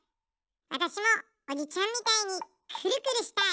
わたしもおじちゃんみたいにクルクルしたい。